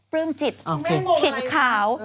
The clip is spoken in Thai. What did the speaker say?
เพิ่มจิตผิดขาว